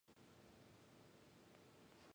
たすけてください